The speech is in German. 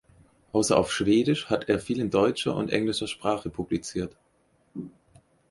Außer auf Schwedisch hat er viel in deutscher und in englischer Sprache publiziert.